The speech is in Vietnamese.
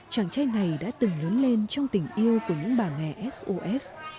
chàng trai này đã từng lớn lên trong tình yêu của những bà mẹ sos